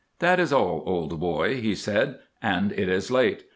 "That is all, old boy," he said, "and it is late.